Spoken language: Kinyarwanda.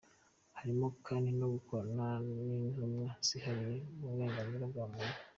Harimo kandi no gukorana n’ intumwa zihariye ku burenganzira bwa muntu.